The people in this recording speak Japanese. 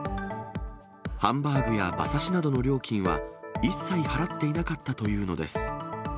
ハンバーグや馬刺しなどの料金は一切払っていなかったというのです。